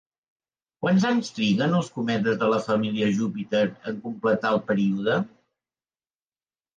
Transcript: Quants anys triguen els cometes de la família Júpiter en completar el període?